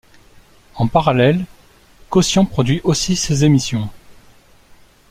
En parallèle, Coscient produit aussi ses émissions.